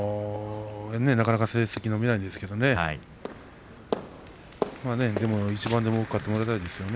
なかなか成績伸びないんですがでも一番でも多く勝ってもらいたいですね。